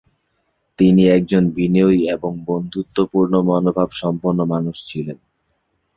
তিনি একজন বিনীত এবং বন্ধুত্বপূর্ণ মনোভাব সম্পন্ন মানুষ ছিলেন।